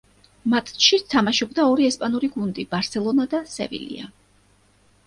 მატჩში თამაშობდა ორი ესპანური გუნდი „ბარსელონა“ და „სევილია“.